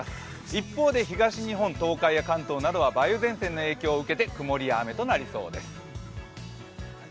一方で東日本、東海、関東などは梅雨前線の影響を受けて、曇りや雨となりそうです。